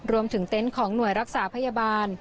เต็นต์ของหน่วยรักษาพยาบาล